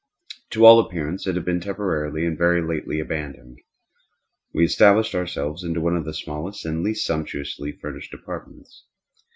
To all appearance it had been temporarily and very lately abandoned. We established ourselves in one of the smallest and least sumptuously furnished apartments.